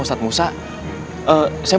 ustadz musa dimana